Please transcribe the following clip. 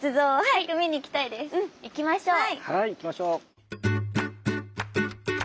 はい行きましょう。